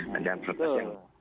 rancangan perpres yang